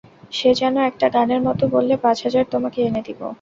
সে যেন একটা গানের মতো বললে, পাঁচ হাজার তোমাকে এনে দেব।